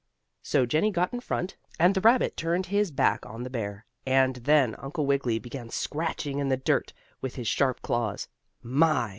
So Jennie got in front, and the rabbit turned his back on the bear, and, then Uncle Wiggily began scratching in the dirt with his sharp claws. My!